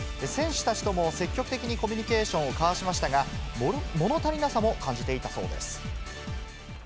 選手たちとも積極的にコミュニケーションを交わしましたが、もの足りなさも感じていたそうです。